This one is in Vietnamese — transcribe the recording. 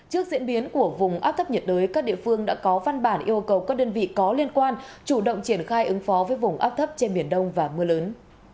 trước diễn biến của vùng áp thấp nhiệt đới các địa phương đã có văn bản yêu cầu các đơn vị có liên quan chủ động triển khai ứng phó với vùng áp thấp trên biển đông và mưa lớn